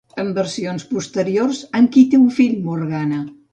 En versions posteriors, amb qui té un fill Morgana?